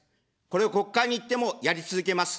これを国会に行ってもやり続けます。